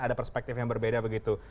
ada perspektif yang berbeda begitu